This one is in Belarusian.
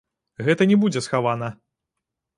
Гэта не будзе схавана.